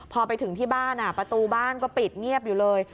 พอไปถึงที่บ้านประตูบ้านก็ปิดเงียบอยู่เลย